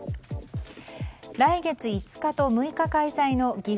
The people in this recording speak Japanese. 来月５日と６日開催のぎ